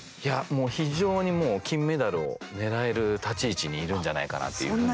非常に金メダルをねらえる立ち位置にいるんじゃないかなっていうふうに。